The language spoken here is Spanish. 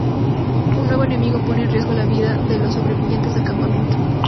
Un nuevo enemigo pone en riesgo la vida de los sobrevivientes del campamento.